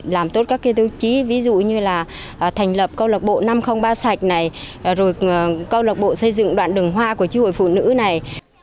làm tốt các tiêu chí ví dụ như là thành lập câu lạc bộ năm trăm linh ba sạch này rồi câu lạc bộ xây dựng đoạn đường hoa của tri hội phụ nữ này